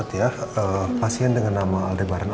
dan esokousing dalam tiru